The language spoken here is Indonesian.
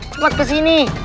cepat ke sini